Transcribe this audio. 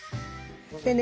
でね